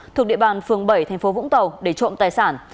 thuộc địa bàn phường bảy tp vũng tàu để trộm tài sản